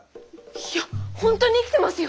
いやほんとに生きてますよ！